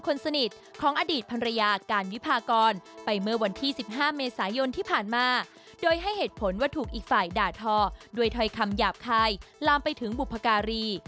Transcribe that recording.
คนสนิทของอดีตภรรยาการวิพากรไปเมื่อวันที่๑๕เมษายนที่ผ่านมาโดยให้เหตุผลว่าถูกอีกฝ่ายด่าทอด้วยถ้อยคำหยาบคายลามไปถึงบุพการี